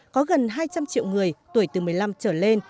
có gần hai trăm linh triệu người tuổi từ một mươi năm trở lên